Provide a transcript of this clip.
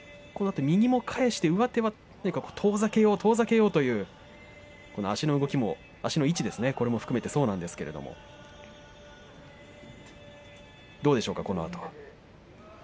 このあと右も返して上手は遠ざけよう、遠ざけようという足の動きも、足の位置ですねそれも含めてそうですけれどどうでしょうか、このあとは。